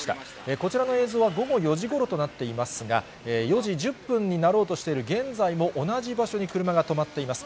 こちらの映像は午後４時ごろとなっていますが、４時１０分になろうとしている現在も、同じ場所に車が止まっています。